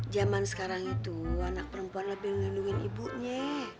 zaman sekarang itu anak perempuan lebih ngelindungin ibunya